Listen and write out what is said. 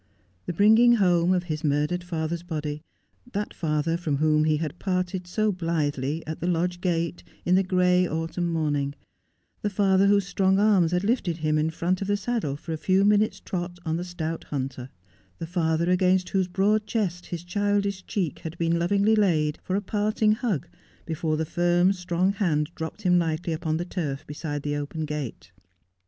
The bring ing home of his murdered father's body, that father from whom he had parted so blithely at the lodge gate in the gray autumn morning ; the father whose strong arms had lifted him in front of the saddle for a few minutes' trot on the stout hunter ; the father against whose broad chest his childish cheek had been lovingly laid for a parting hug before the firm, strong hand dropped him lightly upon the turf beside the open gate.